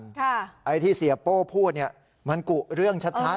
ค่ะไอ้ที่เสียโป้พูดเนี่ยมันกุเรื่องชัดชัดเออ